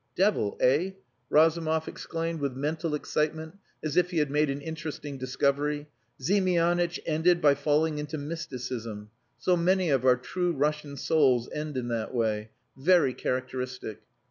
"Devil, eh?" Razumov exclaimed, with mental excitement, as if he had made an interesting discovery. "Ziemianitch ended by falling into mysticism. So many of our true Russian souls end in that way! Very characteristic."